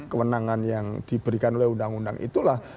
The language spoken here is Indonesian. kewenangan yang diberikan oleh undang undang itulah